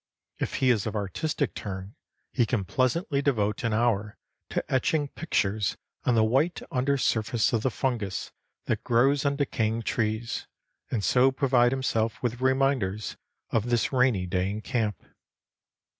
If he is of artistic turn, he can pleasantly devote an hour to etching pictures on the white under surface of the fungus that grows on decaying trees, and so provide himself with reminders of this rainy day in camp.